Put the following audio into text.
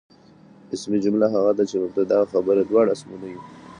اسمي جمله هغه ده، چي مبتدا او خبر ئې دواړه اسمونه يي.